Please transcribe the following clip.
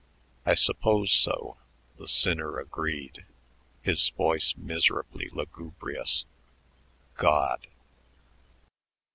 "I suppose so," the sinner agreed, his voice miserably lugubrious. "God!"